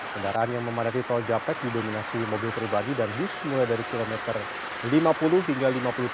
kendaraan yang memadati tol japek didominasi mobil pribadi dan bus mulai dari kilometer lima puluh hingga lima puluh tujuh